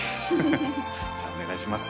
じゃあお願いします。